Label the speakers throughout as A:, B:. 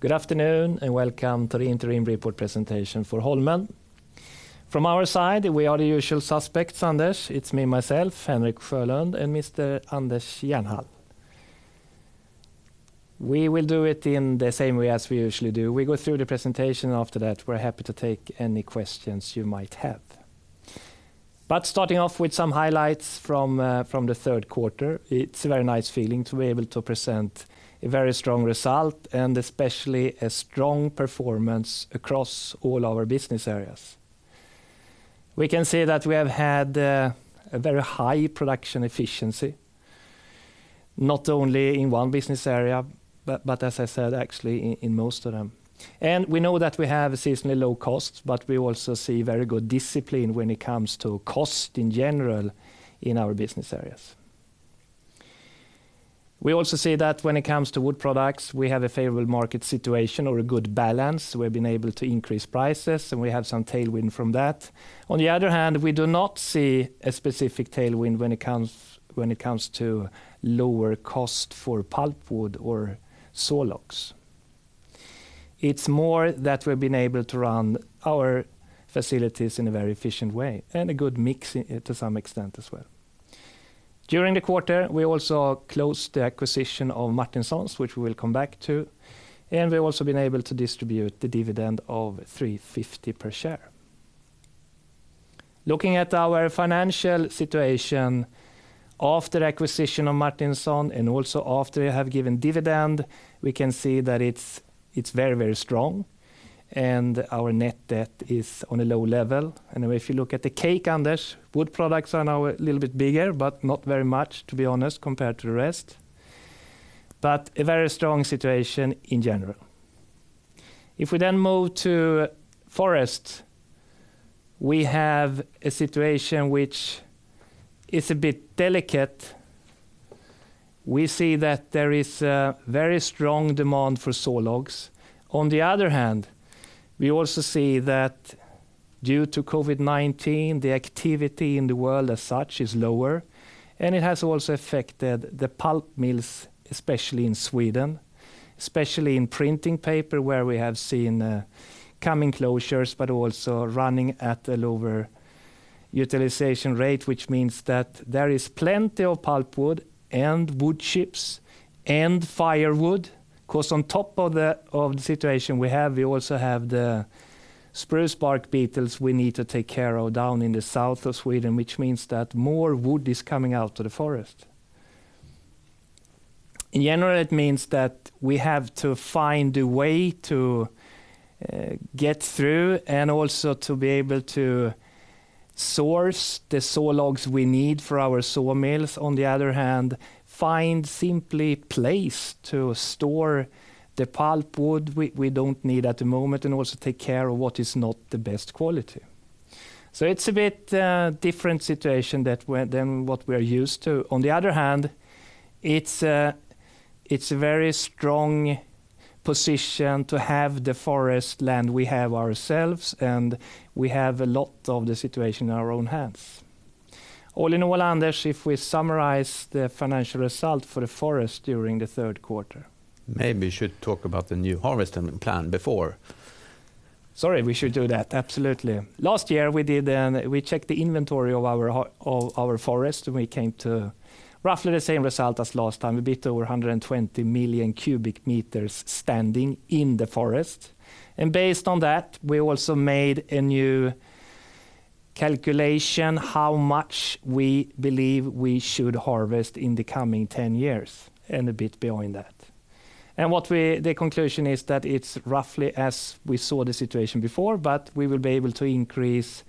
A: Good afternoon. Welcome to the interim report presentation for Holmen. From our side, we are the usual suspects, Anders. It's me, myself, Henrik Sjölund, Mr. Anders Jernhall. We will do it in the same way as we usually do. We go through the presentation, after that, we're happy to take any questions you might have. Starting off with some highlights from the third quarter, it's a very nice feeling to be able to present a very strong result, especially a strong performance across all our business areas. We can say that we have had a very high production efficiency, not only in one business area, as I said, actually in most of them. We know that we have a seasonally low cost, we also see very good discipline when it comes to cost in general in our business areas. We also see that when it comes to wood products, we have a favorable market situation or a good balance. We've been able to increase prices, and we have some tailwind from that. On the other hand, we do not see a specific tailwind when it comes to lower cost for pulpwood or saw logs. It's more that we've been able to run our facilities in a very efficient way and a good mix to some extent as well. During the quarter, we also closed the acquisition of Martinsons, which we will come back to, and we've also been able to distribute the dividend of 350 per share. Looking at our financial situation after acquisition of Martinsons and also after we have given dividend, we can see that it's very strong and our net debt is on a low level. If you look at the cake, Anders, wood products are now a little bit bigger, but not very much, to be honest, compared to the rest. A very strong situation in general. If we move to forest, we have a situation which is a bit delicate. We see that there is a very strong demand for saw logs. On the other hand, we also see that due to COVID-19, the activity in the world as such is lower, and it has also affected the pulp mills, especially in Sweden, especially in printing paper, where we have seen coming closures but also running at a lower utilization rate, which means that there is plenty of pulpwood and wood chips and firewood. Of course, on top of the situation we have, we also have the spruce bark beetles we need to take care of down in the south of Sweden, which means that more wood is coming out of the forest. In general, it means that we have to find a way to get through and also to be able to source the saw logs we need for our sawmills. On the other hand, find simply place to store the pulpwood we don't need at the moment, and also take care of what is not the best quality. It's a bit different situation than what we're used to. On the other hand, it's a very strong position to have the forest land we have ourselves, and we have a lot of the situation in our own hands. All in all, Anders, if we summarize the financial result for the forest during the third quarter.
B: Maybe you should talk about the new harvesting plan before.
A: Sorry, we should do that. Absolutely. Last year, we checked the inventory of our forest. We came to roughly the same result as last time, a bit over 120 million cubic meters standing in the forest. Based on that, we also made a new calculation, how much we believe we should harvest in the coming 10 years and a bit behind that. The conclusion is that it's roughly as we saw the situation before, but we will be able to increase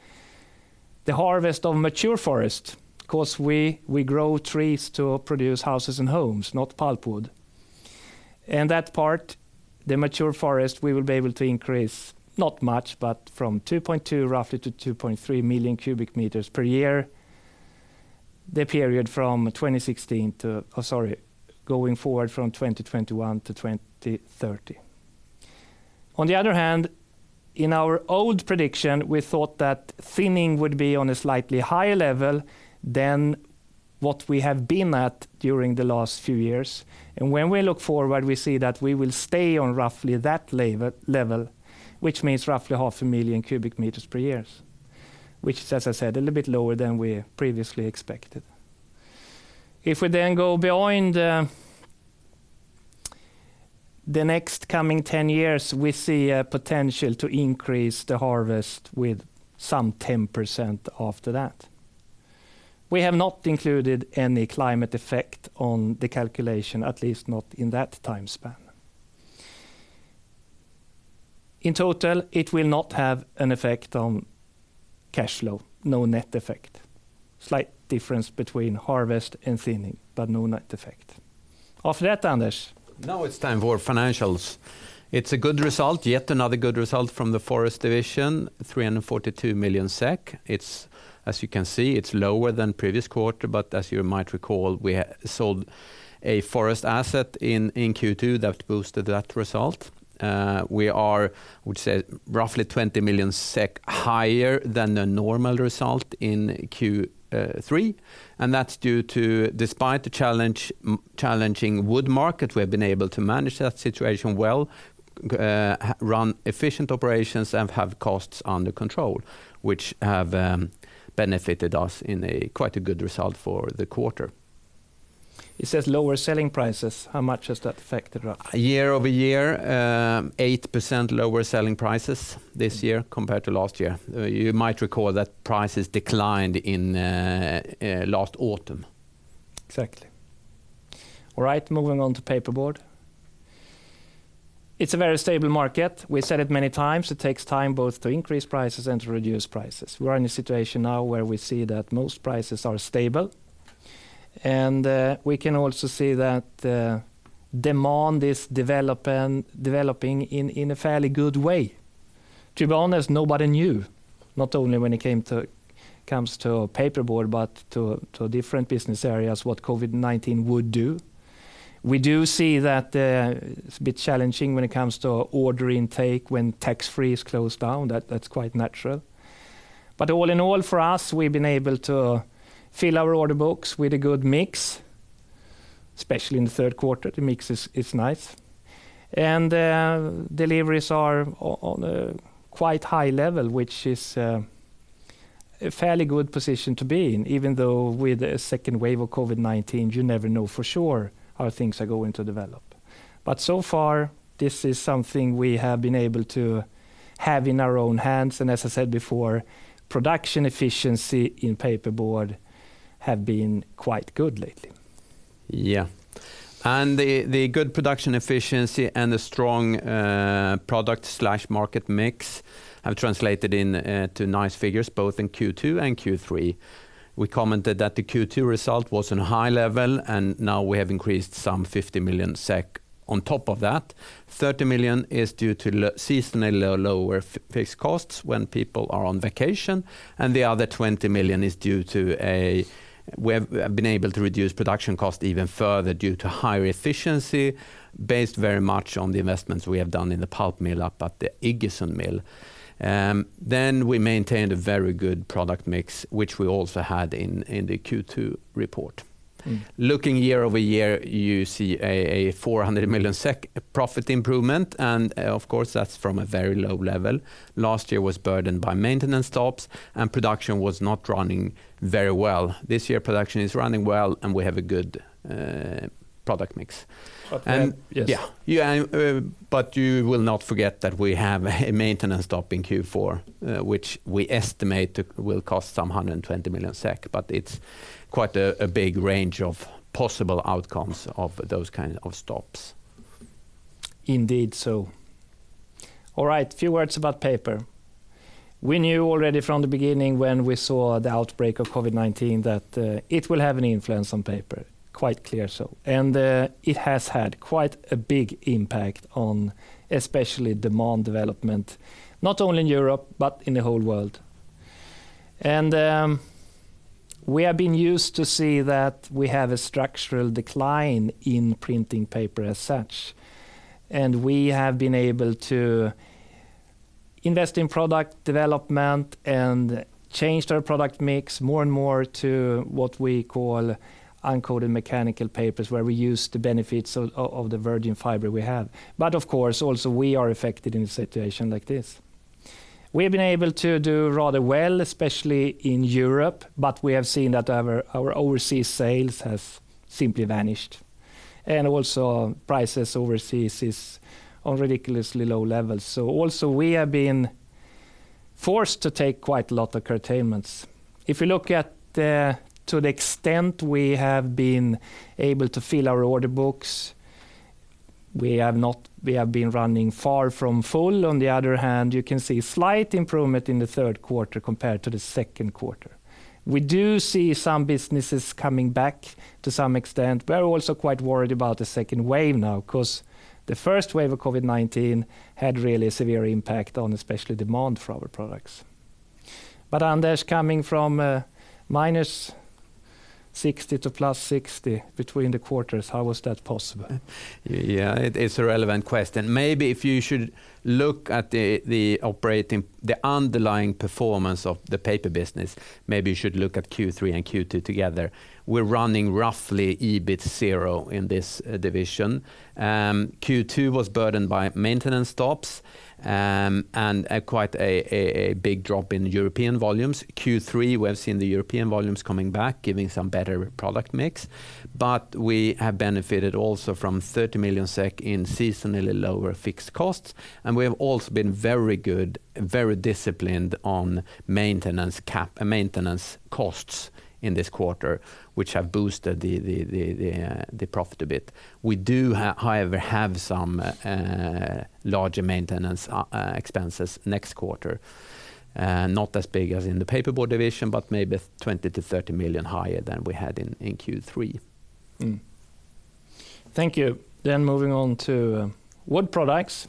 A: the harvest of mature forest because we grow trees to produce houses and homes, not pulpwood. That part, the mature forest, we will be able to increase, not much, but from 2.2 roughly to 2.3 million cubic meters per year, the period going forward from 2021 to 2030. On the other hand, in our old prediction, we thought that thinning would be on a slightly higher level than what we have been at during the last few years. When we look forward, we see that we will stay on roughly that level, which means roughly half a million cubic meters per years. Which is, as I said, a little bit lower than we previously expected. If we then go behind the next coming 10 years, we see a potential to increase the harvest with some 10% after that. We have not included any climate effect on the calculation, at least not in that time span. In total, it will not have an effect on cash flow, no net effect. Slight difference between harvest and thinning, but no net effect. After that, Anders.
B: Now it's time for financials. It's a good result, yet another good result from the forest division, 342 million SEK. As you can see, it's lower than previous quarter, but as you might recall, we sold a forest asset in Q2 that boosted that result. We are, I would say, roughly 20 million SEK higher than the normal result in Q3. That's due to, despite the challenging wood market, we have been able to manage that situation well, run efficient operations, and have costs under control, which have benefited us in quite a good result for the quarter.
A: It says lower selling prices. How much has that affected us?
B: Year-over-year, 8% lower selling prices this year compared to last year. You might recall that prices declined last autumn.
A: Exactly. All right, moving on to paperboard. It's a very stable market. We said it many times, it takes time both to increase prices and to reduce prices. We're in a situation now where we see that most prices are stable, and we can also see that demand is developing in a fairly good way. To be honest, nobody knew, not only when it comes to paper board, but to different business areas, what COVID-19 would do. We do see that it's a bit challenging when it comes to order intake when tax-free is closed down. That's quite natural. All in all, for us, we've been able to fill our order books with a good mix, especially in the third quarter, the mix is nice. Deliveries are on a quite high level, which is a fairly good position to be in, even though with a second wave of COVID-19, you never know for sure how things are going to develop. So far, this is something we have been able to have in our own hands, and as I said before, production efficiency in paper board have been quite good lately.
B: The good production efficiency and the strong product/market mix have translated into nice figures both in Q2 and Q3. We commented that the Q2 result was in a high level, and now we have increased some 50 million SEK on top of that. 30 million is due to seasonally lower fixed costs when people are on vacation, and the other 20 million is due to, we have been able to reduce production cost even further due to higher efficiency based very much on the investments we have done in the pulp mill up at the Iggesund Mill. We maintained a very good product mix, which we also had in the Q2 report. Looking year-over-year, you see a 400 million SEK profit improvement. Of course, that's from a very low level. Last year was burdened by maintenance stops and production was not running very well. This year, production is running well and we have a good product mix.
A: But-
B: Yeah. You will not forget that we have a maintenance stop in Q4, which we estimate will cost some 120 million SEK, but it's quite a big range of possible outcomes of those kind of stops.
A: Indeed so. All right. A few words about paper. We knew already from the beginning when we saw the outbreak of COVID-19 that it will have an influence on paper, quite clear so. It has had quite a big impact on especially demand development, not only in Europe, but in the whole world. We have been used to see that we have a structural decline in printing paper as such, and we have been able to invest in product development and changed our product mix more and more to what we call uncoated mechanical papers, where we use the benefits of the virgin fiber we have. Of course, also we are affected in a situation like this. We have been able to do rather well, especially in Europe, but we have seen that our overseas sales has simply vanished. Also, prices overseas is on ridiculously low levels. Also, we have been forced to take quite a lot of curtailments. If you look at to the extent we have been able to fill our order books, we have been running far from full. On the other hand, you can see a slight improvement in the third quarter compared to the second quarter. We do see some businesses coming back to some extent. We're also quite worried about the second wave now, because the first wave of COVID-19 had really a severe impact on especially demand for our products. Anders coming from -60 to +60 between the quarters, how was that possible?
B: It's a relevant question. Maybe if you should look at the underlying performance of the paper business, maybe you should look at Q3 and Q2 together. We're running roughly EBIT zero in this division. Q2 was burdened by maintenance stops, and quite a big drop in European volumes. Q3, we have seen the European volumes coming back, giving some better product mix. We have benefited also from 30 million SEK in seasonally lower fixed costs, and we have also been very good, very disciplined on maintenance costs in this quarter, which have boosted the profit a bit. We do, however, have some larger maintenance expenses next quarter. Not as big as in the paper board division, but maybe 20 million-30 million higher than we had in Q3.
A: Thank you. Moving on to wood products.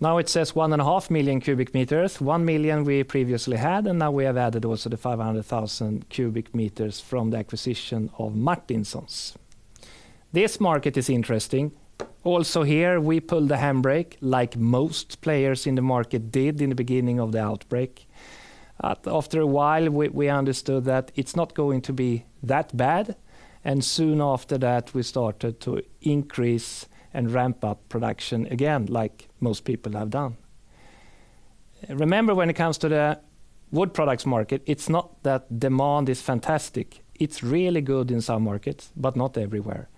A: It says 1.5 million cubic meters. 1 million we previously had, now we have added also the 500,000 cubic meters from the acquisition of Martinsons. This market is interesting. Here we pulled the handbrake like most players in the market did in the beginning of the outbreak. After a while, we understood that it's not going to be that bad, soon after that, we started to increase and ramp up production again like most people have done. Remember, when it comes to the wood products market, it's not that demand is fantastic. It's really good in some markets, not everywhere.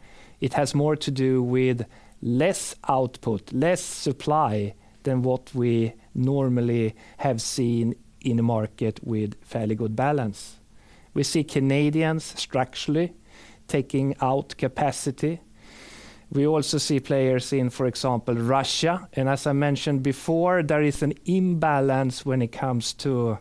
A: It has more to do with less output, less supply than what we normally have seen in a market with fairly good balance. We see Canadians structurally taking out capacity. We also see players in, for example, Russia, and as I mentioned before, there is an imbalance when it comes to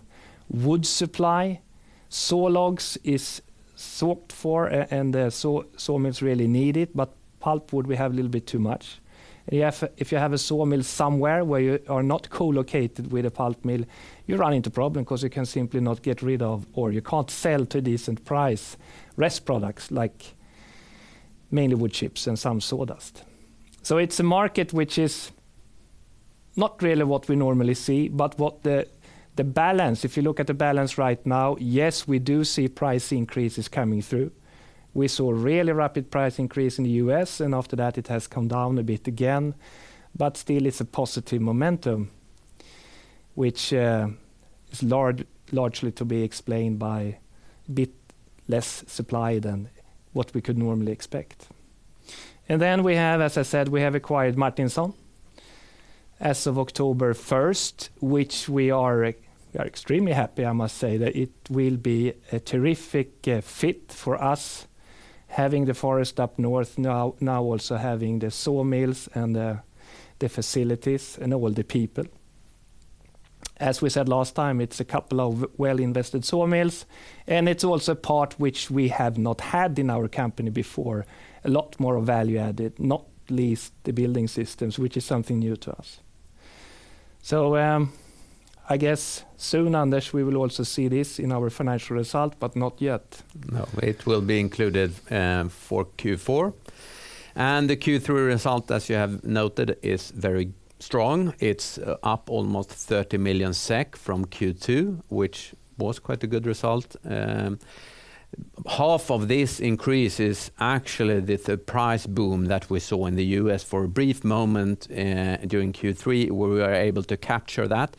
A: wood supply. Saw logs is sought for, and the sawmills really need it, but pulpwood, we have a little bit too much. If you have a sawmill somewhere where you are not co-located with a pulp mill, you run into problem because you can simply not get rid of, or you can't sell to decent price rest products like mainly wood chips and some sawdust. It's a market which is not really what we normally see, but what the balance, if you look at the balance right now, yes, we do see price increases coming through. We saw a really rapid price increase in the U.S. after that it has come down a bit again, still it's a positive momentum, which is largely to be explained by a bit less supply than what we could normally expect. We have, as I said, we have acquired Martinsons as of October 1st, which we are extremely happy, I must say, that it will be a terrific fit for us, having the forest up north, now also having the sawmills and the facilities and all the people. As we said last time, it's a couple of well-invested sawmills, it's also a part which we have not had in our company before. A lot more value added, not least the building systems, which is something new to us. I guess soon, Anders, we will also see this in our financial result, not yet.
B: It will be included for Q4. The Q3 result, as you have noted, is very strong. It's up almost 30 million SEK from Q2, which was quite a good result. Half of this increase is actually the price boom that we saw in the U.S. for a brief moment during Q3, where we were able to capture that.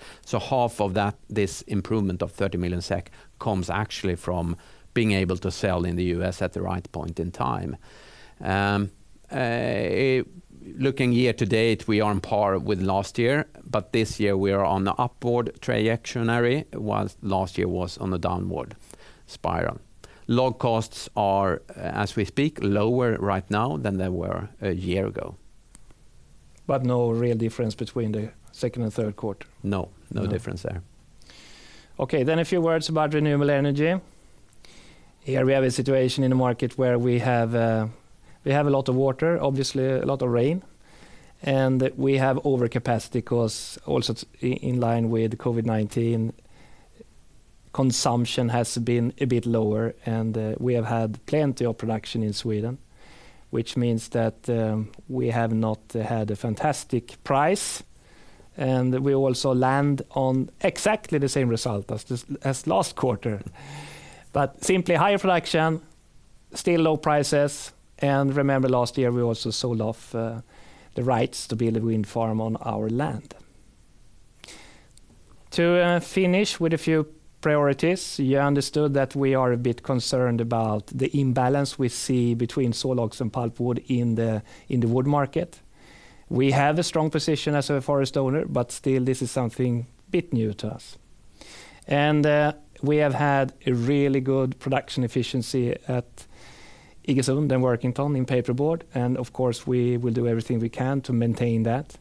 B: Half of that, this improvement of 30 million SEK comes actually from being able to sell in the U.S. at the right point in time. Looking year-to-date, we are on par with last year, this year we are on the upward trajectory, while last year was on the downward spiral. Log costs are, as we speak, lower right now than they were a year ago.
A: No real difference between the second and third quarter.
B: No, no difference there.
A: Okay, a few words about renewable energy. Here we have a situation in the market where we have a lot of water, obviously a lot of rain, and we have overcapacity because also in line with COVID-19, consumption has been a bit lower, and we have had plenty of production in Sweden, which means that we have not had a fantastic price, and we also land on exactly the same result as last quarter. Simply higher production, still low prices, and remember last year we also sold off the rights to build a wind farm on our land. To finish with a few priorities, you understood that we are a bit concerned about the imbalance we see between saw logs and pulpwood in the wood market. We have a strong position as a forest owner, but still this is something a bit new to us. We have had a really good production efficiency at Iggesund and Workington in paper board, and of course, we will do everything we can to maintain that.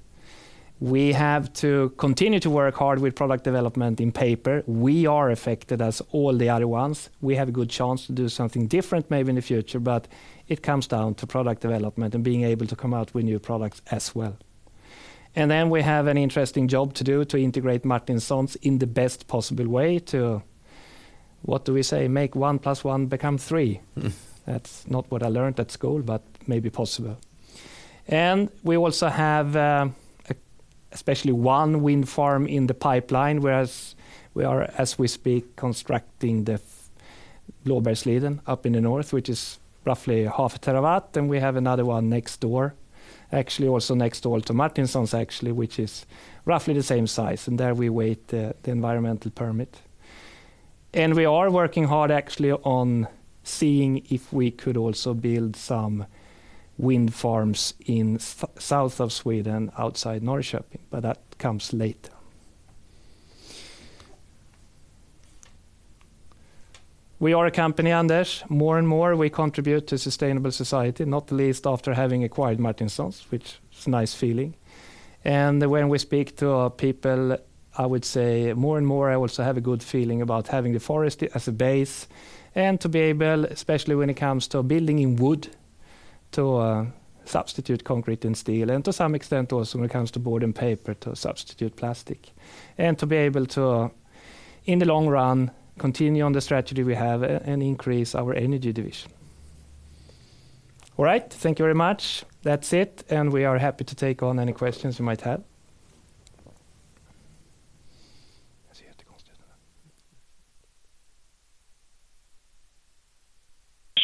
A: We have to continue to work hard with product development in paper. We are affected as all the other ones. We have a good chance to do something different maybe in the future, but it comes down to product development and being able to come out with new products as well. Then we have an interesting job to do to integrate Martinsons in the best possible way to, what do we say, make one plus one become three. That's not what I learned at school, but may be possible. We also have especially one wind farm in the pipeline, whereas we are, as we speak, constructing the Blåbergsliden up in the north, which is roughly half a terawatt. We have another one next door, actually also next door to Martinsons actually, which is roughly the same size, and there we wait the environmental permit. We are working hard actually on seeing if we could also build some wind farms in south of Sweden, outside Norrköping, but that comes later. We are a company, Anders. More and more we contribute to sustainable society, not least after having acquired Martinsons, which is a nice feeling. When we speak to our people, I would say more and more I also have a good feeling about having the forest as a base and to be able, especially when it comes to building in wood to substitute concrete and steel, and to some extent also when it comes to board and paper, to substitute plastic. To be able to, in the long run, continue on the strategy we have and increase our energy division. All right, thank you very much. That's it. We are happy to take on any questions you might have.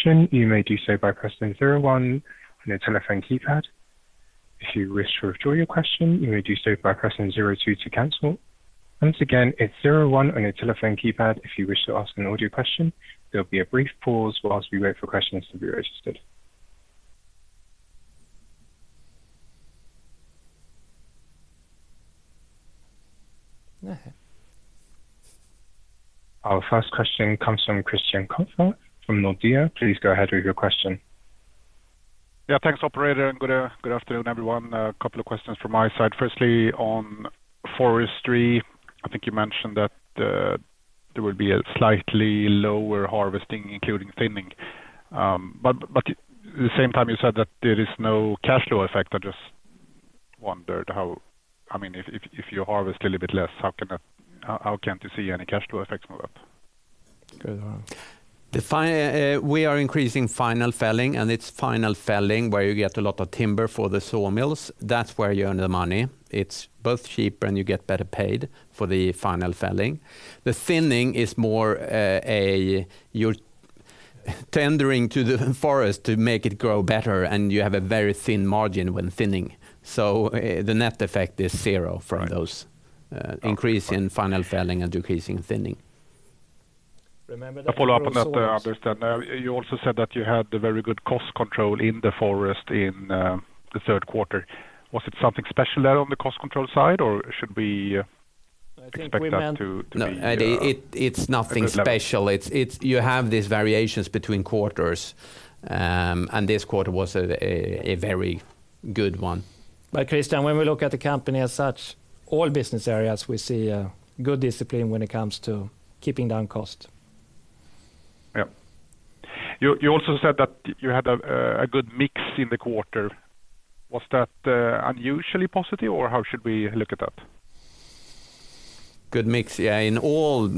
C: You may do so by pressing zero one on your telephone keypad. If you wish to withdraw your question, you may do so by pressing zero two to cancel. Once again, it's zero one on your telephone keypad if you wish to ask an audio question. There will be a brief pause while we wait for questions to be registered. Our first question comes from Christian Kopfer from Nordea. Please go ahead with your question.
D: Yeah. Thanks operator. Good afternoon, everyone. A couple of questions from my side. Firstly, on forestry, I think you mentioned that there will be a slightly lower harvesting, including thinning. At the same time you said that there is no cash flow effect. I just wondered how, if you harvest a little bit less, how can't you see any cash flow effects from that?
A: Good. We are increasing final felling, and it's final felling where you get a lot of timber for the sawmills. That's where you earn the money. It's both cheaper, and you get better paid for the final felling. The thinning is more you're tendering to the forest to make it grow better, and you have a very thin margin when thinning. The net effect is zero.
D: Right
A: Increase in final felling and decreasing thinning. Remember that.
D: To follow up on that, I understand. You also said that you had the very good cost control in the forest in the third quarter. Was it something special there on the cost control side, or should we expect that to be-?
A: No, it's nothing special. You have these variations between quarters, and this quarter was a very good one. Christian, when we look at the company as such, all business areas we see good discipline when it comes to keeping down cost.
D: Yeah. You also said that you had a good mix in the quarter. Was that unusually positive, or how should we look at that?
A: Good mix. Yeah. In all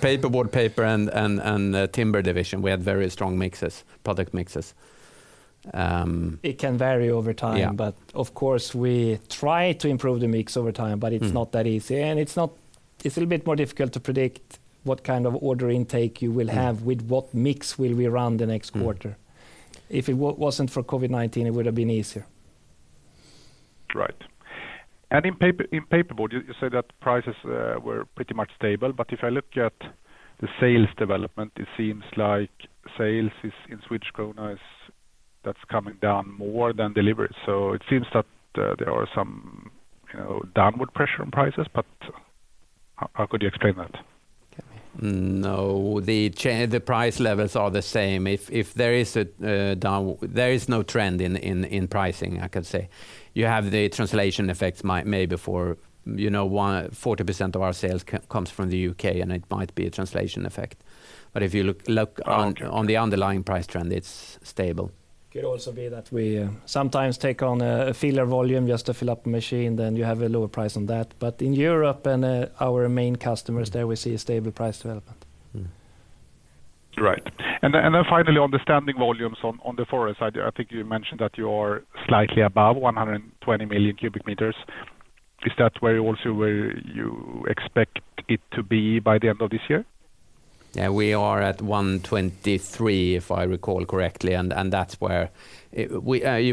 A: paper board, paper, and timber division, we had very strong mixes, product mixes. It can vary over time. Yeah. Of course, we try to improve the mix over time, but it's not that easy, and it's a little bit more difficult to predict what kind of order intake you will have with what mix will be around the next quarter. If it wasn't for COVID-19, it would've been easier.
D: Right. In paperboard, you said that prices were pretty much stable, but if I look at the sales development, it seems like sales in SEK that's coming down more than deliveries. It seems that there are some downward pressures on prices. How could you explain that?
A: No, the price levels are the same. There is no trend in pricing, I could say. You have the translation effects maybe for 40% of our sales comes from the U.K., and it might be a translation effect. If you look on the underlying price trend, it's stable. Could also be that we sometimes take on a filler volume just to fill up a machine, then you have a lower price on that. In Europe, and our main customers there, we see a stable price development.
D: Right. Then finally on the standing volumes on the forest side, I think you mentioned that you are slightly above 120 million cubic meters. Is that where also where you expect it to be by the end of this year?
A: Yeah. We are at 123, if I recall correctly. You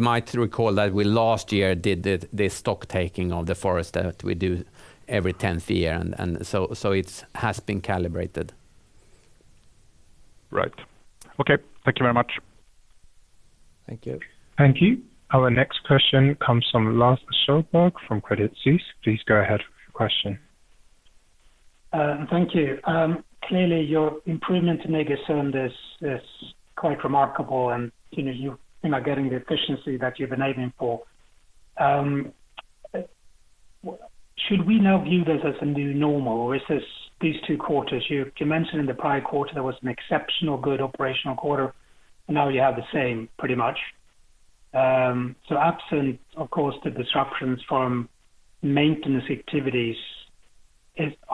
A: might recall that we, last year, did the stock taking of the forest that we do every 10th year, and so it has been calibrated.
D: Right. Okay. Thank you very much.
A: Thank you.
C: Thank you. Our next question comes from Lars Kjellberg from Credit Suisse. Please go ahead with your question.
E: Thank you. Clearly, your improvement in ESG is quite remarkable, and you seem are getting the efficiency that you've been aiming for. Should we now view this as a new normal, or is this these two quarters? You mentioned in the prior quarter there was an exceptional good operational quarter, and now you have the same pretty much. Absent, of course, the disruptions from maintenance activities,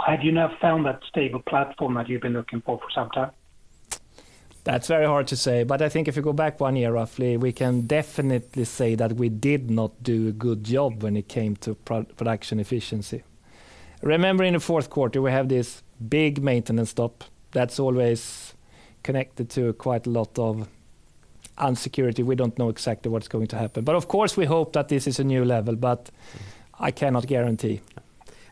E: have you now found that stable platform that you've been looking for for some time?
A: That's very hard to say, but I think if you go back one year roughly, we can definitely say that we did not do a good job when it came to production efficiency. Remember, in the fourth quarter, we have this big maintenance stop that's always connected to quite a lot of uncertainty. We don't know exactly what's going to happen. Of course, we hope that this is a new level, but I cannot guarantee.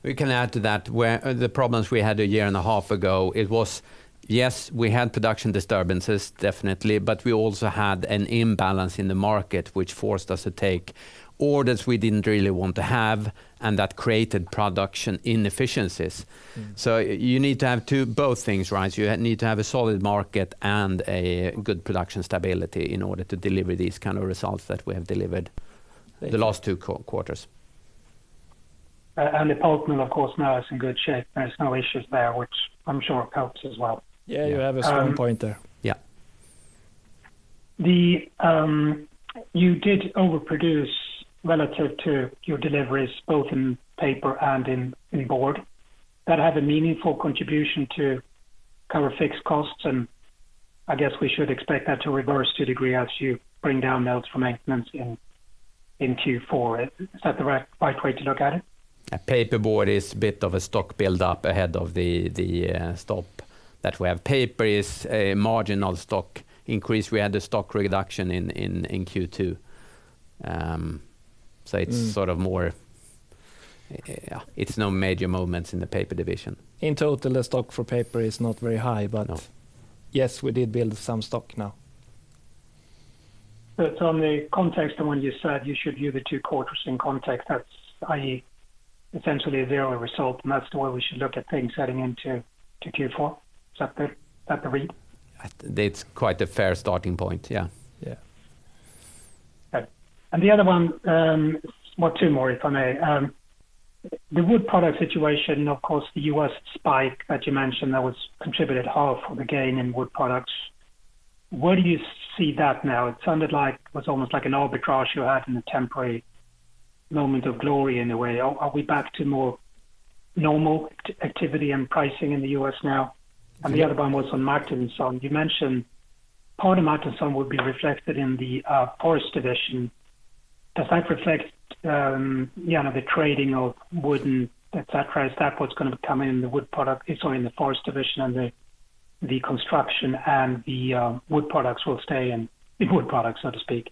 A: We can add to that, the problems we had a year and a half ago, it was, yes, we had production disturbances definitely, but we also had an imbalance in the market, which forced us to take orders we didn't really want to have, and that created production inefficiencies. You need to have both things. You need to have a solid market and a good production stability in order to deliver these kinds of results that we have delivered the last two quarters.
E: The pulp mill, of course, now is in good shape. There's no issues there, which I'm sure helps as well.
A: Yeah, you have a strong point there.
B: Yeah.
E: You did overproduce relative to your deliveries both in paper and in board. That had a meaningful contribution to cover fixed costs, and I guess we should expect that to reverse to a degree as you bring down mills from maintenance in Q4. Is that the right way to look at it?
B: Paper board is a bit of a stock build-up ahead of the stop that we have. Paper is a marginal stock increase. We had a stock reduction in Q2. It's no major moments in the paper division.
A: In total, the stock for paper is not very high, but yes, we did build some stock now.
E: It's on the context of when you said you should view the two quarters in context, that's i.e., essentially a zero result, and that's the way we should look at things heading into Q4. Is that the read?
B: That's quite a fair starting point. Yeah.
E: Okay. The other one, or two more, if I may. The wood product situation, of course, the U.S. spike that you mentioned, that contributed half of the gain in wood products. Where do you see that now? It sounded like it was almost like an arbitrage you had and a temporary moment of glory in a way. Are we back to more normal activity and pricing in the U.S. now? The other one was on Martinsons. You mentioned part of Martinsons would be reflected in the forest division. Does that reflect the trading of wood and et cetera? Is that what's going to be coming in the forest division and the construction and the wood products will stay in wood products, so to speak?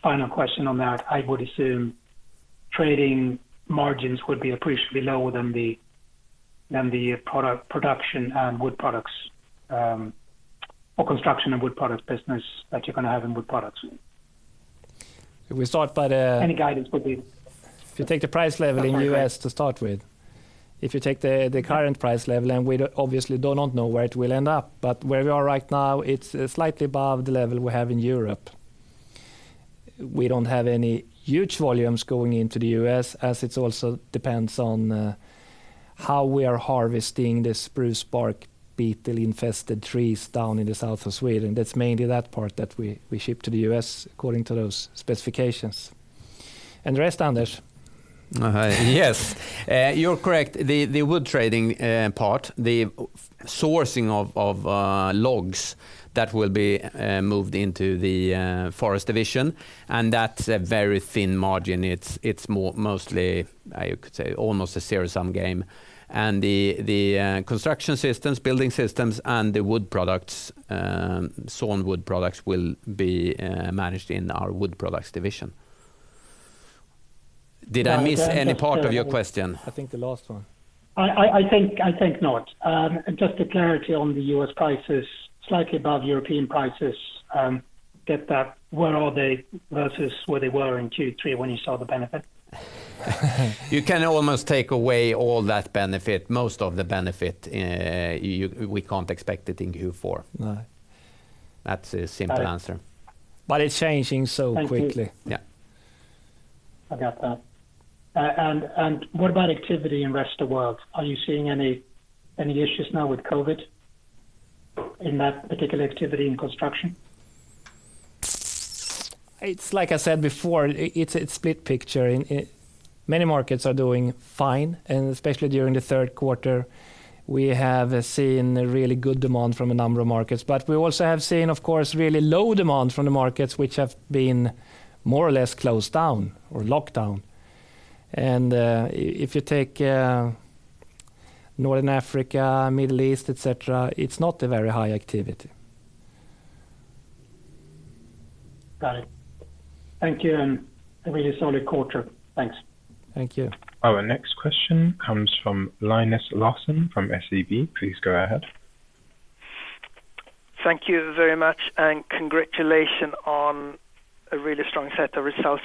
E: Final question on that, I would assume trading margins would be appreciably lower than the production and wood products or construction and wood products business that you're going to have in wood products.
A: If we start by the-
E: Any guidance would be.
A: If you take the price level in the U.S. to start with, if you take the current price level, and we obviously do not know where it will end up. Where we are right now, it's slightly above the level we have in Europe. We don't have any huge volumes going into the U.S. as it also depends on how we are harvesting the spruce bark beetle-infested trees down in the south of Sweden. That's mainly that part that we ship to the U.S. according to those specifications. The rest, Anders.
B: Yes. You're correct. The wood trading part, the sourcing of logs that will be moved into the forest division, and that's a very thin margin. It's mostly, you could say, almost a zero-sum game. The construction systems, building systems, and the sawn wood products will be managed in our Wood Products Division. Did I miss any part of your question?
A: I think the last one.
E: I think not. Just the clarity on the U.S. prices, slightly above European prices. Get that, where are they versus where they were in Q3 when you saw the benefit?
B: You can almost take away all that benefit, most of the benefit. We can't expect it in Q4.
A: No.
B: That's a simple answer.
A: It's changing so quickly.
E: Thank you.
B: Yeah.
E: I got that. What about activity in rest of world? Are you seeing any issues now with COVID in that particular activity in construction?
A: It's like I said before, it's a split picture. Many markets are doing fine, and especially during the third quarter, we have seen a really good demand from a number of markets. We also have seen, of course, really low demand from the markets which have been more or less closed down or locked down. If you take Northern Africa, Middle East, et cetera, it's not a very high activity.
E: Got it. Thank you, and a really solid quarter. Thanks.
A: Thank you.
C: Our next question comes from Linus Larsson from SEB. Please go ahead.
F: Thank you very much, and congratulations on a really strong set of results.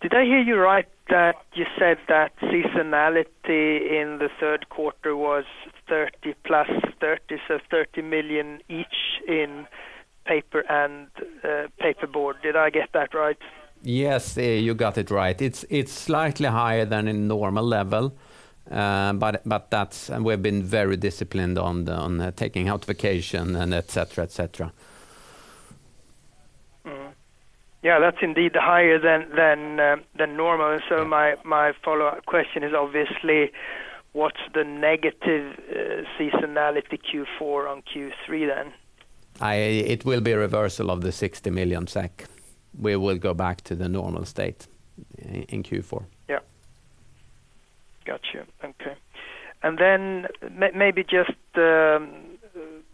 F: Did I hear you right that you said that seasonality in the third quarter was 30 plus 30, so 30 million each in paper and paper board? Did I get that right?
B: Yes, you got it right. It is slightly higher than a normal level. We've been very disciplined on taking out vacation and etc.
F: Yeah. That's indeed higher than normal. My follow-up question is obviously, what's the negative seasonality Q4 on Q3?
B: It will be a reversal of the 60 million SEK. We will go back to the normal state in Q4.
F: Yeah. Got you. Okay. Maybe just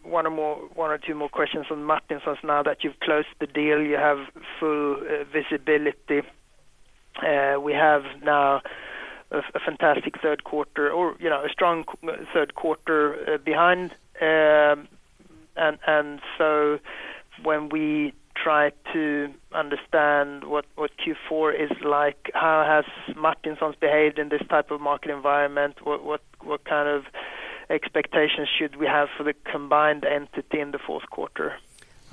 F: one or two more questions on Martinsons now that you've closed the deal, you have full visibility. We have now a fantastic third quarter or a strong third quarter behind. When we try to understand what Q4 is like, how has Martinsons behaved in this type of market environment, what kind of expectations should we have for the combined entity in the fourth quarter?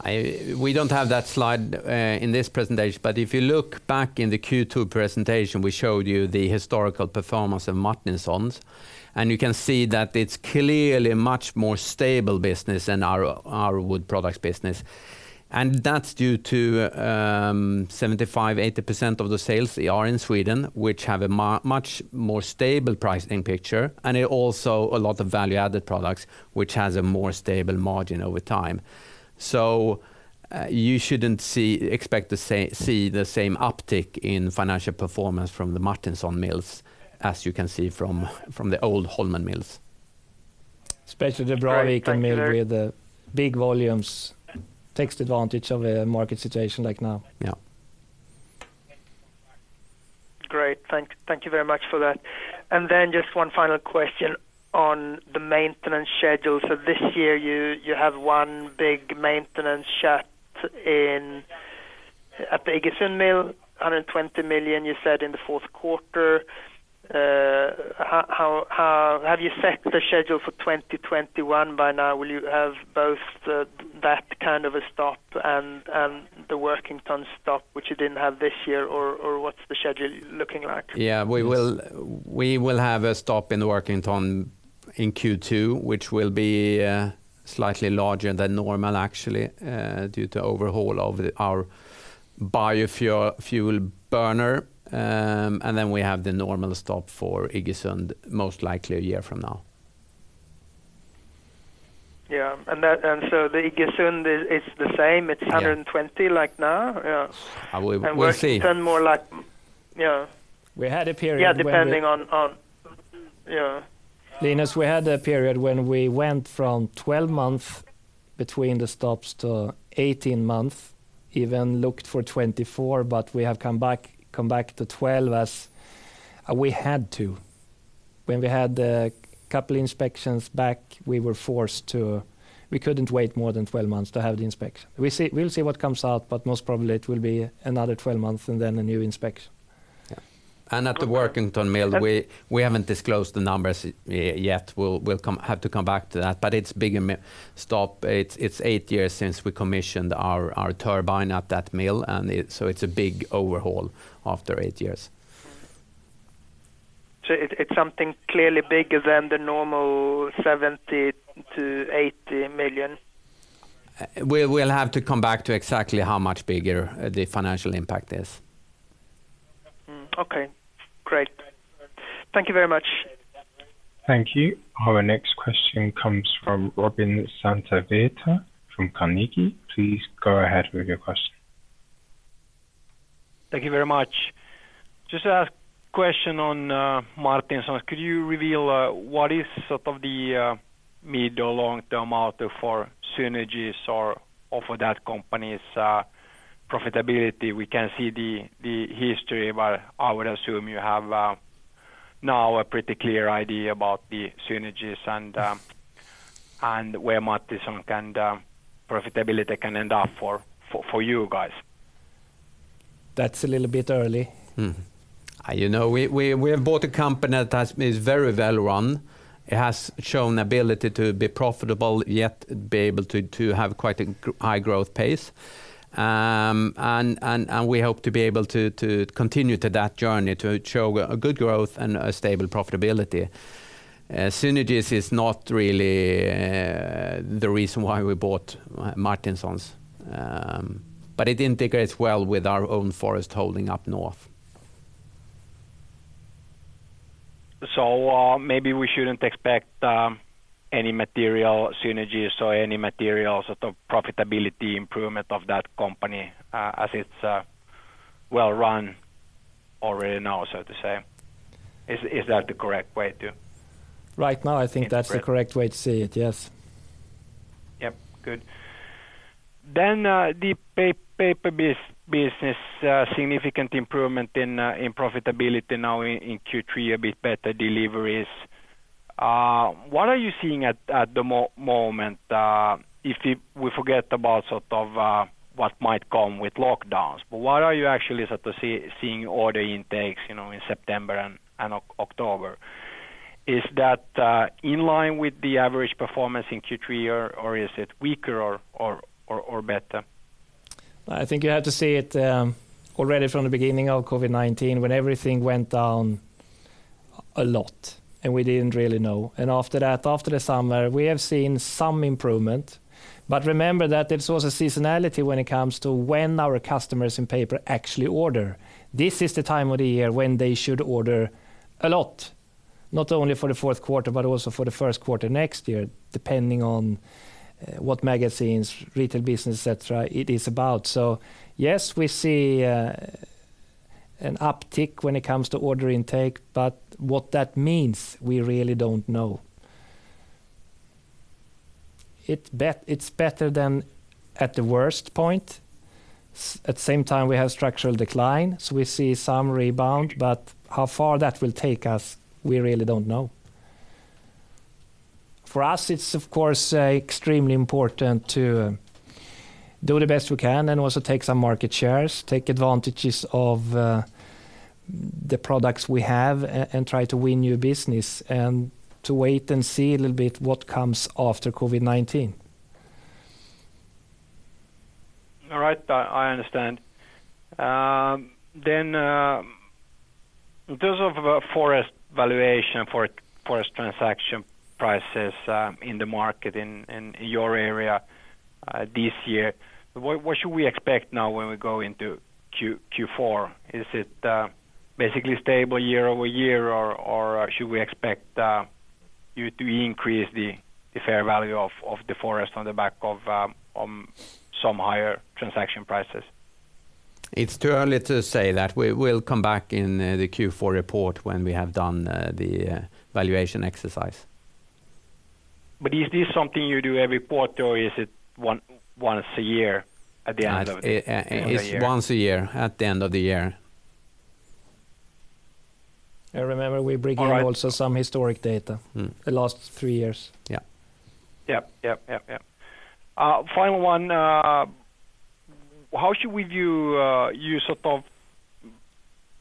B: We don't have that slide in this presentation. If you look back in the Q2 presentation, we showed you the historical performance of Martinsons, and you can see that it's clearly a much more stable business than our wood products business. That's due to 75%, 80% of the sales are in Sweden, which have a much more stable pricing picture, and also a lot of value-added products, which has a more stable margin over time. You shouldn't expect to see the same uptick in financial performance from the Martinsons mills as you can see from the old Holmen mills.
A: Especially the Braviken mill with the big volumes, takes advantage of a market situation like now.
B: Yeah.
F: Great. Thank you very much for that. Just one final question on the maintenance schedule. This year you have one big maintenance shut in at the Iggesund Mill, 120 million you said in the fourth quarter. Have you set the schedule for 2021 by now? Will you have both that kind of a stop and the Workington stop, which you didn't have this year? What's the schedule looking like?
B: Yeah, we will have a stop in Workington in Q2, which will be slightly larger than normal actually, due to overhaul of our biofuel burner. We have the normal stop for Iggesund, most likely a year from now.
F: Yeah. The Iggesund is the same, it's 120 like now, yeah.
B: We'll see.
F: Workington more like, yeah.
A: We had a period when.
F: Yeah, depending on, yeah.
A: Linus, we had a period when we went from 12 months between the stops to 18 months, even looked for 24. We have come back to 12, as we had to. When we had a couple inspections back, we were forced to. We couldn't wait more than 12 months to have the inspection. We'll see what comes out. Most probably it will be another 12 months and then a new inspection.
B: Yeah. At the Workington mill, we haven't disclosed the numbers yet. We'll have to come back to that, but it's a bigger stop. It's eight years since we commissioned our turbine at that mill, and so it's a big overhaul after eight years.
F: It's something clearly bigger than the normal 70 million-80 million?
B: We'll have to come back to exactly how much bigger the financial impact is.
F: Okay, great. Thank you very much.
C: Thank you. Our next question comes from Robin Santavirta from Carnegie. Please go ahead with your question.
G: Thank you very much. Just a question on Martinsons. Could you reveal what is sort of the mid or long-term out for synergies or for that company's profitability? We can see the history; I would assume you have now a pretty clear idea about the synergies and where Martinsons profitability can end up for you guys.
A: That's a little bit early.
B: You know, we have bought a company that is very well run. It has shown ability to be profitable, yet be able to have quite a high growth pace. We hope to be able to continue to that journey to show a good growth and a stable profitability. Synergies is not really the reason why we bought Martinsons, but it integrates well with our own forest holding up north.
G: Maybe we shouldn't expect any material synergies or any material sort of profitability improvement of that company, as it's well run already now, so to say. Is that the correct way to interpret?
A: Right now, I think that's the correct way to see it, yes.
G: Yep. Good. The paper business, significant improvement in profitability now in Q3, a bit better deliveries. What are you seeing at the moment? If we forget about sort of what might come with lockdowns, but what are you actually sort of seeing order intakes in September and October? Is that in line with the average performance in Q3 or is it weaker or better?
A: I think you have to see it, already from the beginning of COVID-19 when everything went down a lot, and we didn't really know. After that, after the summer, we have seen some improvement, but remember that there's also seasonality when it comes to when our customers in paper actually order. This is the time of the year when they should order a lot, not only for the fourth quarter, but also for the first quarter next year, depending on what magazines, retail business, et cetera, it is about. Yes, we see an uptick when it comes to order intake, but what that means, we really don't know. It's better than at the worst point. At the same time, we have structural decline, so we see some rebound, but how far that will take us, we really don't know. For us, it's of course, extremely important to do the best we can and also take some market shares, take advantages of the products we have and try to win new business and to wait and see a little bit what comes after COVID-19.
G: All right. I understand. In terms of forest valuation, forest transaction prices in the market in your area this year, what should we expect now when we go into Q4? Is it basically stable year-over-year, or should we expect you to increase the fair value of the forest on the back of some higher transaction prices?
B: It's too early to say that. We will come back in the Q4 report when we have done the valuation exercise.
G: Is this something you do every quarter or is it once a year at the end of the year?
B: It's once a year at the end of the year.
A: I remember we bring you also some historic data. The last three years.
B: Yeah.
G: Yep. Final one, how should we view you sort of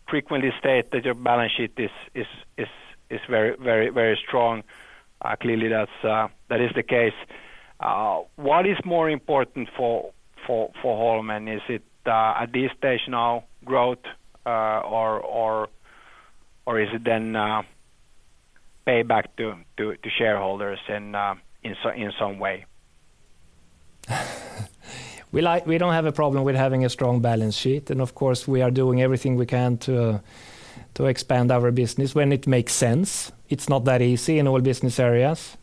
G: frequently state that your balance sheet is very strong. Clearly that is the case. What is more important for Holmen? Is it, at this stage now, growth or is it then pay back to shareholders in some way?
A: We don't have a problem with having a strong balance sheet, and of course, we are doing everything we can to expand our business when it makes sense. It's not that easy in all business areas.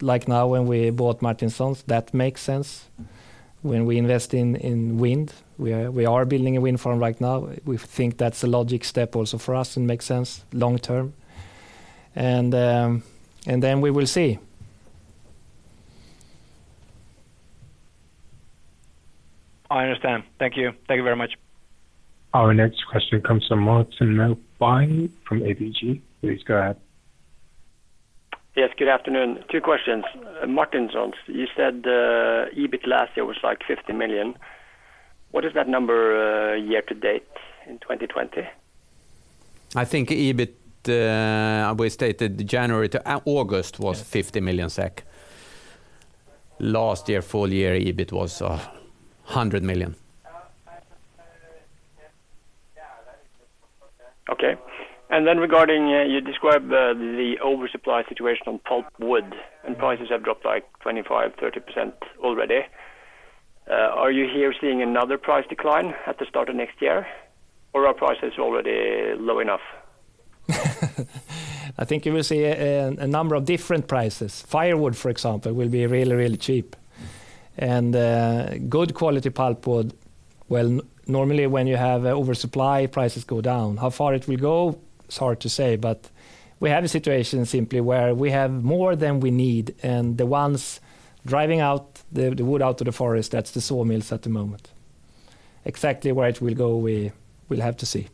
A: Like now when we bought Martinsons, that makes sense. When we invest in wind, we are building a wind farm right now. We think that's a logic step also for us and makes sense long term. Then we will see.
G: I understand. Thank you very much.
C: Our next question comes from Martin Melbye from ABG. Please go ahead.
H: Yes, good afternoon. Two questions. Martinsons, you said EBIT last year was like 50 million. What is that number year to date in 2020?
B: I think EBIT, we stated January to August was 50 million SEK. Last year, full year EBIT was 100 million.
H: Okay. Regarding, you described the oversupply situation on pulpwood and prices have dropped like 25%-30% already. Are you here seeing another price decline at the start of next year? Are prices already low enough?
A: I think you will see a number of different prices. Firewood, for example, will be really cheap. Good quality pulpwood, well, normally when you have oversupply, prices go down. How far it will go, it's hard to say, but we have a situation simply where we have more than we need, and the ones driving the wood out to the forest, that's the sawmills at the moment. Exactly where it will go, we will have to see.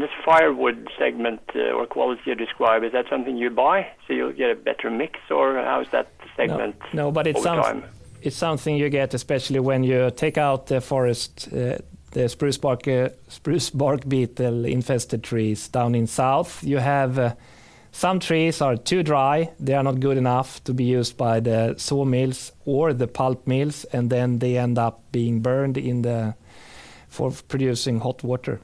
H: This firewood segment or quality you describe, is that something you buy so you'll get a better mix or how is that segment?
A: No
H: over time?
A: It's something you get, especially when you take out the forest, the spruce bark beetle-infested trees down in south. You have some trees are too dry, they are not good enough to be used by the sawmills or the pulp mills, and then they end up being burned for producing hot water.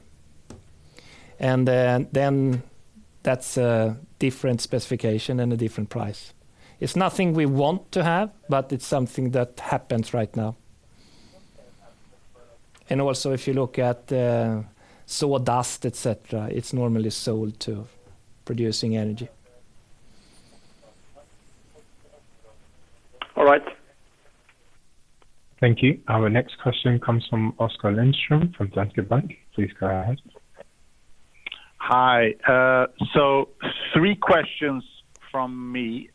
A: That's a different specification and a different price. It's nothing we want to have, but it's something that happens right now. Also, if you look at sawdust, et cetera, it's normally sold to producing energy.
H: All right.
C: Thank you. Our next question comes from Oskar Lindström from Danske Bank. Please go ahead.
I: Hi. Three questions from me,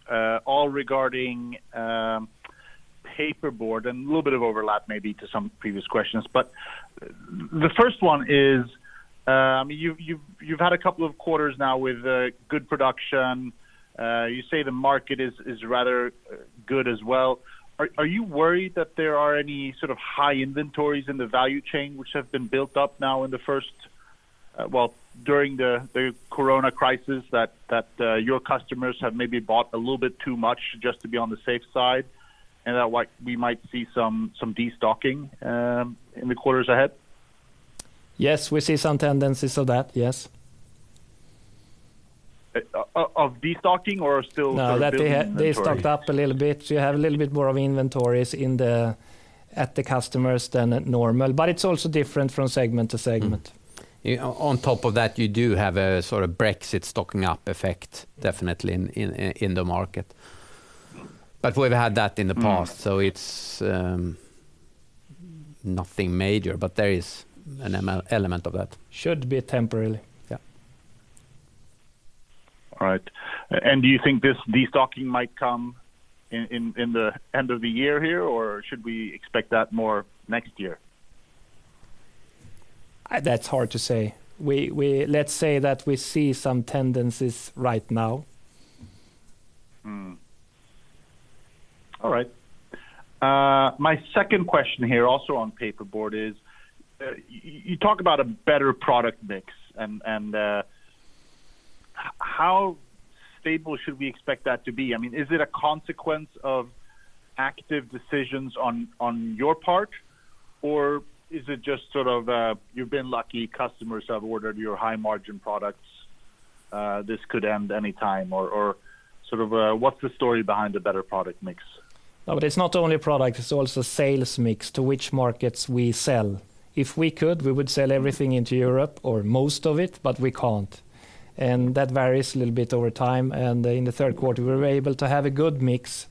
I: all regarding paperboard, and a little bit of overlap maybe to some previous questions. The first one is, you've had a couple of quarters now with good production. You say the market is rather good as well. Are you worried that there are any sort of high inventories in the value chain which have been built up now in the first, well, during the COVID crisis, that your customers have maybe bought a little bit too much just to be on the safe side, and that we might see some de-stocking in the quarters ahead?
A: Yes, we see some tendencies of that. Yes.
I: Of de-stocking or still.
A: No
I: building inventories?
A: They stocked up a little bit. You have a little bit more of inventories at the customers than at normal, but it's also different from segment to segment.
B: On top of that, you do have a sort of Brexit stocking up effect definitely in the market. We've had that in the past, so it's nothing major, but there is an element of that.
A: Should be temporary.
B: Yeah.
I: All right. Do you think this de-stocking might come in the end of the year here, or should we expect that more next year?
A: That's hard to say. Let's say that we see some tendencies right now.
I: All right. My second question here, also on paperboard, is you talk about a better product mix and how stable should we expect that to be? Is it a consequence of active decisions on your part, or is it just you've been lucky customers have ordered your high margin products, this could end any time, or what's the story behind the better product mix?
A: It's not only product, it's also sales mix to which markets we sell. If we could, we would sell everything into Europe or most of it, but we can't. That varies a little bit over time, and in the third quarter, we were able to have a good mix,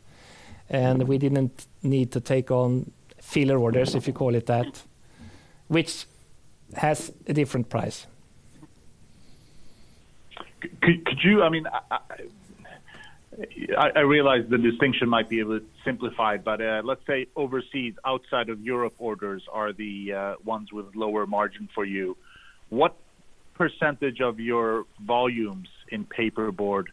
A: and we didn't need to take on filler orders, if you call it that, which has a different price.
I: I realize the distinction might be a bit simplified, but let's say overseas, outside of Europe, orders are the ones with lower margin for you. What % of your volumes in paperboard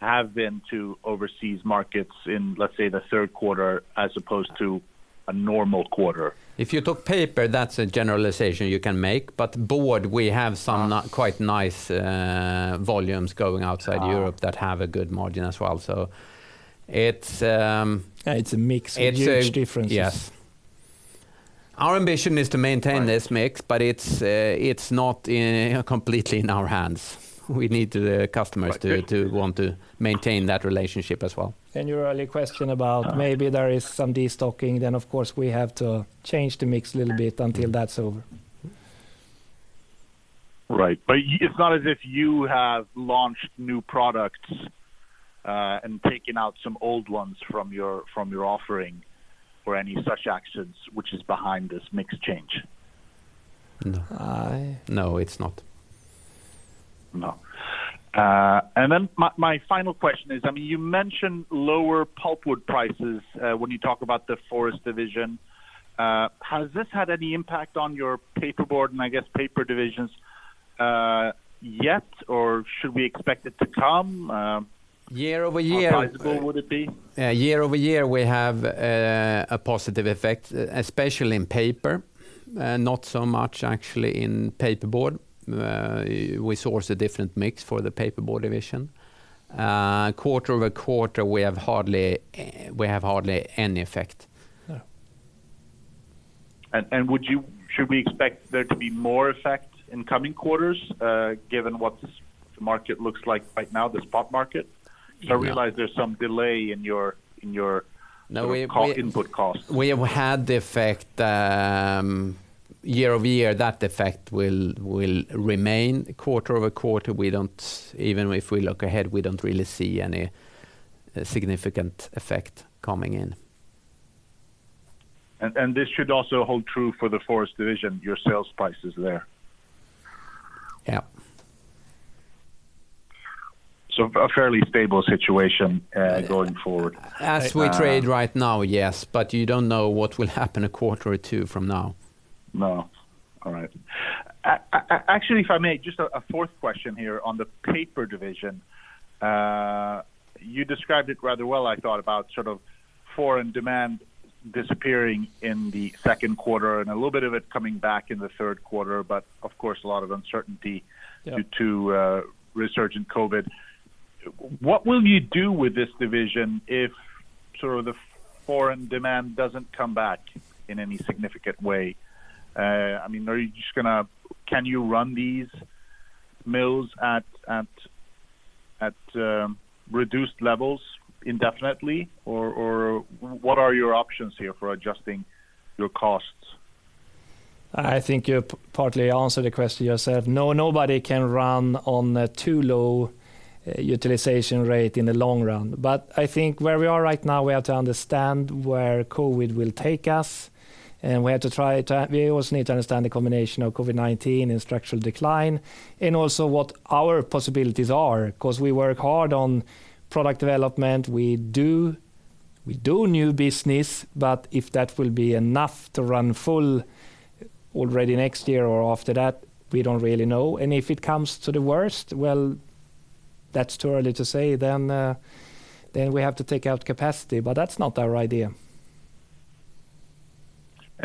I: have been to overseas markets in, let's say, the third quarter as opposed to a normal quarter?
B: If you took paper, that's a generalization you can make, but board, we have some quite nice volumes going outside Europe that have a good margin as well.
A: It's a mix with huge differences.
B: Yes. Our ambition is to maintain this mix, but it's not completely in our hands. We need the customers to want to maintain that relationship as well.
A: Your earlier question about maybe there is some destocking, then, of course, we have to change the mix a little bit until that's over.
I: Right. It's not as if you have launched new products and taken out some old ones from your offering or any such actions which is behind this mix change?
B: No its not.
I: No. My final question is, you mentioned lower pulpwood prices when you talk about the forest division. Has this had any impact on your paperboard, and I guess paper divisions yet, or should we expect it to come?
B: Year-over-year.
I: How visible would it be?
B: Year-over-year, we have a positive effect, especially in paper. Not so much actually in paperboard. We source a different mix for the paperboard division. Quarter-over-quarter, we have hardly any effect.
I: Should we expect there to be more effect in coming quarters, given what the market looks like right now, the spot market? I realize there's some delay in your input costs.
B: We have had the effect year-over-year, that effect will remain. Quarter-over-quarter, even if we look ahead, we don't really see any significant effect coming in.
I: This should also hold true for the forest division, your sales prices there?
B: Yeah.
I: A fairly stable situation going forward.
B: As we trade right now, yes, but you don't know what will happen a quarter or two from now.
I: No. All right. Actually, if I may, just a fourth question here on the paper division. You described it rather well, I thought, about foreign demand disappearing in the second quarter and a little bit of it coming back in the third quarter, but of course, a lot of uncertainty-
B: Yeah
I: due to a resurgence in COVID. What will you do with this division if the foreign demand doesn't come back in any significant way? Can you run these mills at reduced levels indefinitely, or what are your options here for adjusting your costs?
A: I think you partly answered the question yourself. Nobody can run on too low utilization rate in the long run. I think where we are right now, we have to understand where COVID will take us,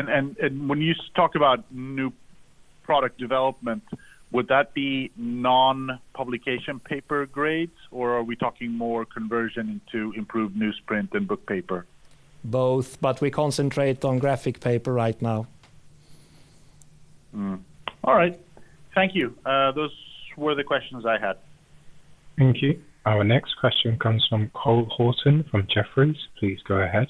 A: and we also need to understand the combination of COVID-19 and structural decline, and also what our possibilities are. We work hard on product development. We do new business, but if that will be enough to run full already next year or after that, we don't really know. If it comes to the worst, well, that's too early to say. We have to take out capacity, but that's not our idea.
I: When you talk about new product development, would that be non-publication paper grades, or are we talking more conversion into improved newsprint and book paper?
A: Both, but we concentrate on graphic paper right now.
I: All right. Thank you. Those were the questions I had.
C: Thank you. Our next question comes from Cole Hathorn from Jefferies. Please go ahead.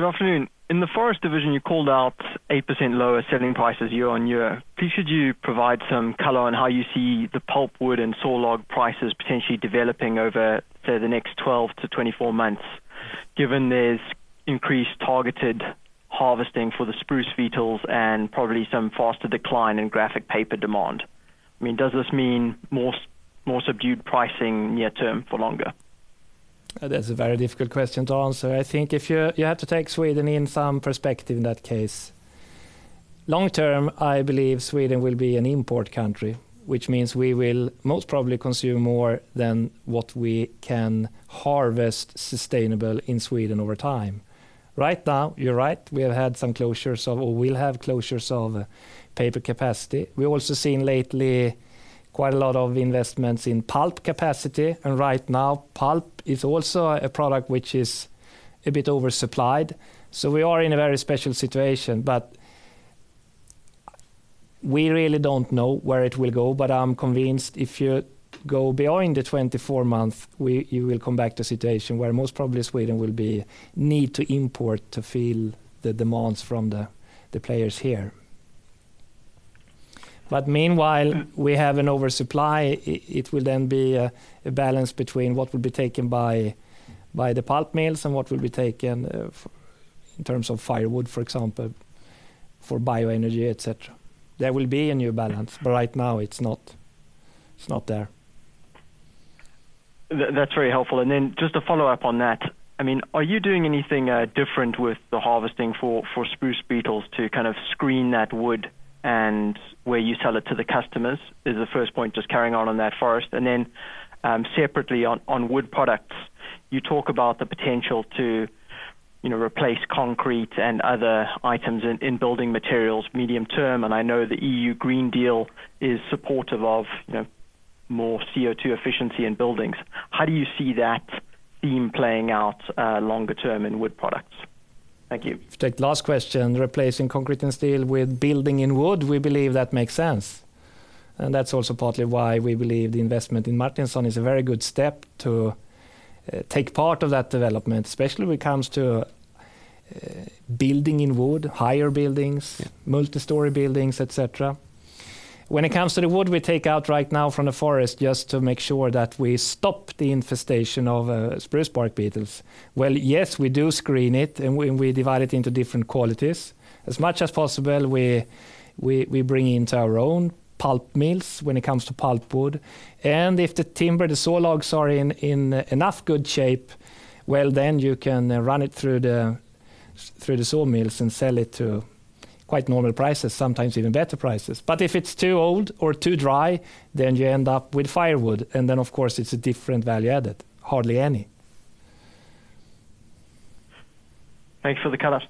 J: Good afternoon. In the forest division, you called out 8% lower selling prices year-over-year. Could you provide some color on how you see the pulpwood and saw log prices potentially developing over, say, the next 12 to 24 months, given there's increased targeted harvesting for the spruce bark beetles and probably some faster decline in graphic paper demand? Does this mean more subdued pricing near term for longer?
A: That's a very difficult question to answer. You have to take Sweden in some perspective in that case. Long term, I believe Sweden will be an import country, which means we will most probably consume more than what we can harvest sustainable in Sweden over time. Right now, you're right, we have had some closures, or will have closures of paper capacity. We're also seeing lately quite a lot of investments in pulp capacity. Right now pulp is also a product which is a bit oversupplied. We are in a very special situation. We really don't know where it will go. I'm convinced if you go beyond the 24 months, you will come back to a situation where most probably Sweden will need to import to fill the demands from the players here. Meanwhile, we have an oversupply. It will then be a balance between what will be taken by the pulp mills and what will be taken in terms of firewood, for example, for bioenergy, et cetera. There will be a new balance, but right now it's not there.
J: That's very helpful. Then just to follow up on that, are you doing anything different with the harvesting for spruce bark beetles to kind of screen that wood and where you sell it to the customers? Is the first point just carrying on on that forest? Then, separately on wood products, you talk about the potential to replace concrete and other items in building materials medium term, and I know the European Green Deal is supportive of more CO2 efficiency in buildings. How do you see that theme playing out longer term in wood products? Thank you.
A: If you take the last question, replacing concrete and steel with building in wood, we believe that makes sense. That's also partly why we believe the investment in Martinsons is a very good step to take part of that development, especially when it comes to building in wood, higher buildings, multi-story buildings, et cetera. When it comes to the wood we take out right now from the forest, just to make sure that we stop the infestation of spruce bark beetles, well, yes, we do screen it, and we divide it into different qualities. As much as possible, we bring into our own pulp mills when it comes to pulp wood. If the timber, the saw logs are in enough good shape, well, then you can run it through the saw mills and sell it to quite normal prices, sometimes even better prices. If it's too old or too dry, then you end up with firewood, and then, of course, it's a different value added. Hardly any.
J: Thanks for the color.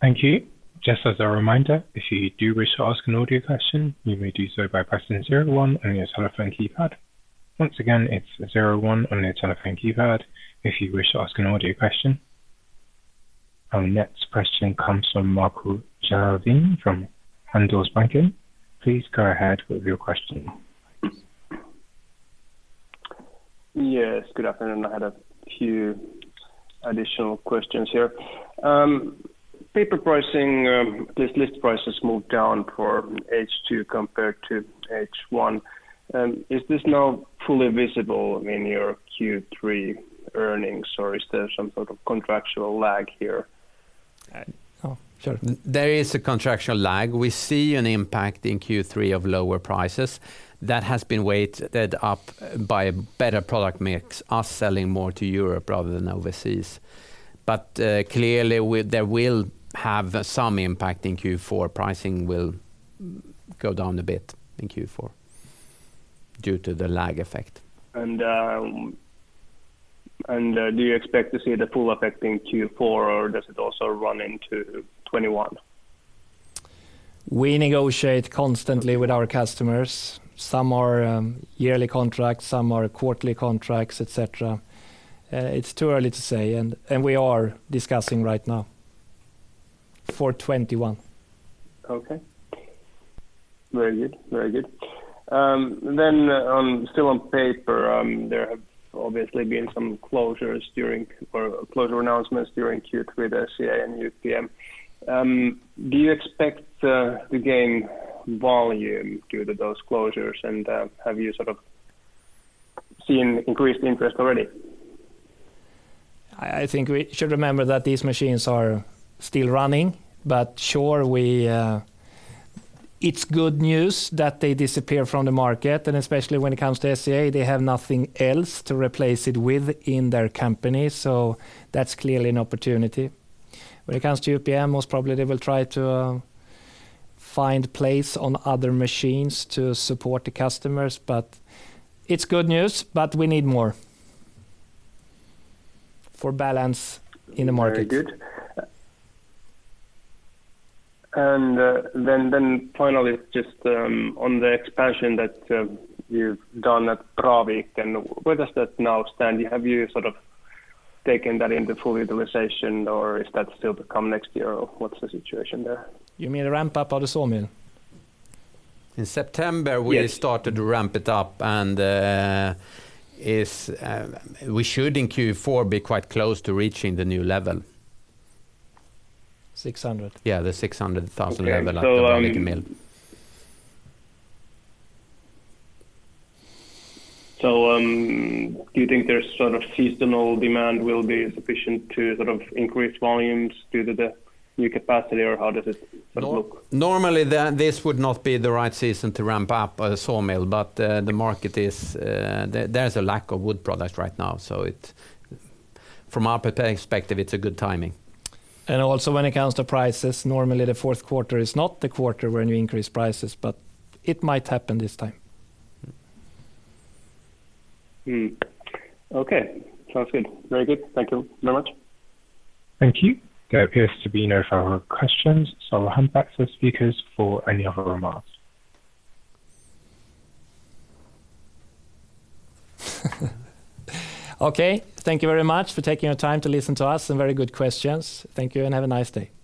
C: |Thank you. Just as a reminder if you wish to ask a question, you may do so by pressing zero one on your telephone keypad. Once again, its zero one on your telephone keypad. Our next question comes from from Handelsbanken. Please go ahead with your question.
K: Yes, good afternoon. I had a few additional questions here. Paper pricing, this list price has moved down for H2 compared to H1. Is this now fully visible in your Q3 earnings, or is there some sort of contractual lag here?
B: Oh, sure. There is a contractual lag. We see an impact in Q3 of lower prices that has been weighted up by better product mix, us selling more to Europe rather than overseas. Clearly, there will have some impact in Q4. Pricing will go down a bit in Q4 due to the lag effect.
K: Do you expect to see the full effect in Q4, or does it also run into 2021?
B: We negotiate constantly with our customers. Some are yearly contracts, some are quarterly contracts, et cetera. It's too early to say, and we are discussing right now for 2021.
K: Okay. Very good. Still on paper, there have obviously been some closures or closure announcements during Q3 with SCA and UPM. Do you expect to gain volume due to those closures, and have you sort of seen increased interest already?
A: I think we should remember that these machines are still running. Sure, it's good news that they disappear from the market, and especially when it comes to SCA, they have nothing else to replace it with in their company. That's clearly an opportunity. When it comes to UPM, most probably they will try to find place on other machines to support the customers, but it's good news, but we need more for balance in the market.
K: Very good. Then finally, just on the expansion that you've done at Braviken, where does that now stand? Have you sort of taken that into full utilization, or is that still to come next year, or what's the situation there?
A: You mean ramp up of the saw mill? In September, we started to ramp it up, and we should in Q4 be quite close to reaching the new level.
K: 600.
A: Yeah, the 600,000 level at the Braviken mill.
K: Do you think their sort of seasonal demand will be sufficient to sort of increase volumes due to the new capacity, or how does it sort of look?
A: Normally, this would not be the right season to ramp up a sawmill, but there's a lack of wood product right now. From our perspective, it's a good timing. Also, when it comes to prices, normally the fourth quarter is not the quarter when you increase prices, but it might happen this time.
K: Okay, sounds good. Very good. Thank you very much.
C: Thank you. There appears to be no further questions, I'll hand back to the speakers for any other remarks.
A: Okay. Thank you very much for taking the time to listen to us, some very good questions. Thank you and have a nice day.